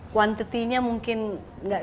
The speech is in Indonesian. kuantitinya mungkin gak